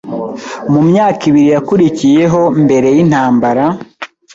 Mu myaka ibiri yakurikiyeho mbere yintambara